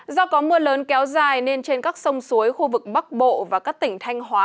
do có mưa lớn kéo dài nên trên các sông suối khu vực bắc bộ và các tỉnh thanh hóa